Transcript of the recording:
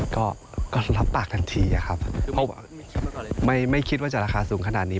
ก็ก็รับปากทันทีครับไม่คิดว่าจะราคาสูงขนาดนี้